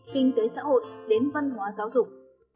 kinh tế xã hội đến văn hóa giáo dục